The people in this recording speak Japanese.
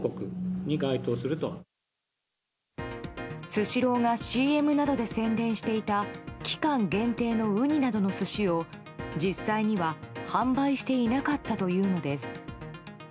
スシローがＣＭなどで宣伝していた期間限定のウニなどの寿司を実際には販売していなかったというのです。